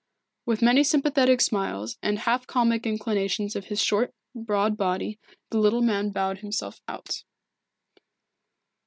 With many sympathetic smiles and half comic inclinations of his short, broad body, the little man bowed himself out.